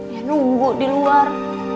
ya nunggu di luar